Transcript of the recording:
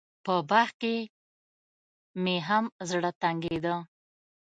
په باغ کښې مې هم زړه تنګېده.